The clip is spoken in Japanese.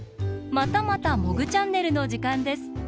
またまた「モグチャンネル」のじかんです。